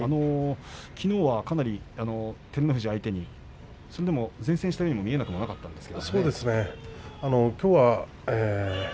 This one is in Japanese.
きのうは照ノ富士相手に善戦したように見えなくもなかったんですが。